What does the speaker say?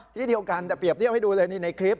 ที่เดียวกันแต่เปรียบเทียบให้ดูเลยนี่ในคลิป